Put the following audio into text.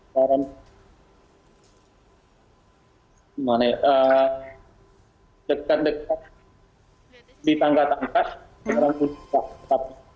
suaranya mana ya dekat dekat di tangga tangkas